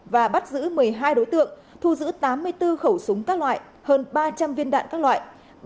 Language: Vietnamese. và bắt giữ một mươi hai đối tượng thu giữ tám mươi bốn khẩu súng các loại hơn ba trăm linh viên đạn các loại